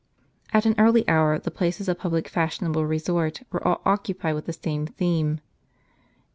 At an early hour the places of public fashionable resort were all occupied with the same theme.